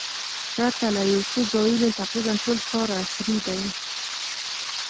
پرته له یو څو ځایونو تقریباً ټول ښار عصري دی.